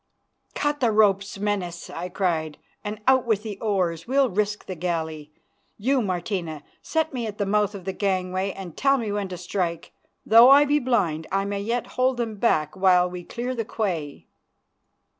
"Cut the ropes, Menas," I cried, "and out with the oars. We'll risk the galley. You, Martina, set me at the mouth of the gangway and tell me when to strike. Though I be blind I may yet hold them back till we clear the quay."